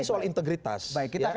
ini soal rekam jejak di sisi berikutnya